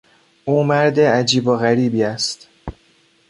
او مرد عجیب و غریبی است.